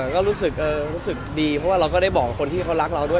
ก็รู้สึกดีเพราะว่าเราก็ได้บอกคนที่เขารักเราด้วย